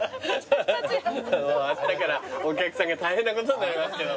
あしたからお客さんが大変なことになりますけど。